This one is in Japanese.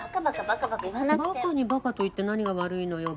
バカにバカと言って何が悪いのよ。